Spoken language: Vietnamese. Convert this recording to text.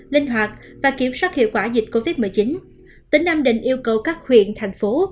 linh hoạt và kiểm soát hiệu quả dịch covid một mươi chín tỉnh nam định yêu cầu các huyện thành phố